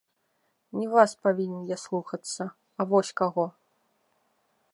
Не вас павінен я слухацца, а вось каго!